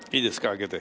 開けて。